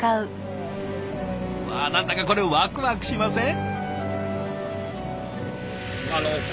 うわ何だかこれワクワクしません？